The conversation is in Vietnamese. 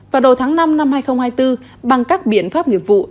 vào đầu tháng năm năm hai nghìn hai mươi bốn bằng các biện pháp nghiệp vụ